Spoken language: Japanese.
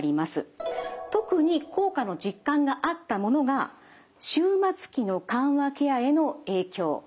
特に効果の実感があったものが終末期の緩和ケアへの影響